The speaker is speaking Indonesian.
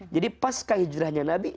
jadi pas ke hijrahnya nabi saw